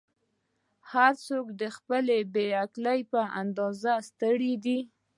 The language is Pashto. "هر څوک د خپلې بې عقلۍ په اندازه ستړی دی.